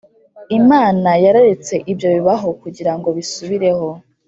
Imana yararetse ibyo bibaho kugira bisubireho